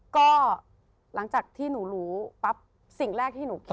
ก็หลังจากที่หนูรู้ปั๊บสิ่งแรกที่หนูคิด